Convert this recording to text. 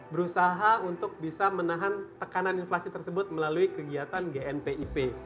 berusaha untuk bisa menahan tekanan inflasi tersebut melalui kegiatan gnpip